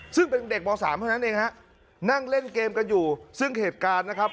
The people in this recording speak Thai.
ซึ่งเป็นเด็กม๓เท่านั้นเองฮะนั่งเล่นเกมกันอยู่ซึ่งเหตุการณ์นะครับ